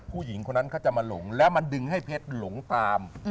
ผู้หญิงคนนั้นเขาจะมาหลงแล้วมันดึงให้เพชรหลงตาม